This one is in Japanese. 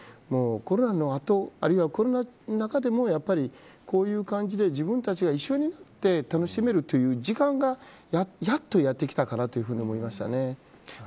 コロナの後あるいはコロナの中でもこういう感じで自分たちが一緒になって楽しめるという時間がやっとやってきたかなと思いました。